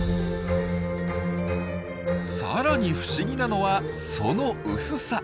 さらに不思議なのはその薄さ。